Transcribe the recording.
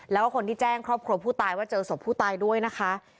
แล้วก็คนที่แจ้งครอบครัวผู้ตายว่าเจอศพผู้ตายด้วยนะคะ